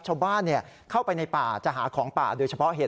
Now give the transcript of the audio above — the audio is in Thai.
ชาวบ้านเข้าไปในป่าจะหาของป่าโดยเฉพาะเหตุ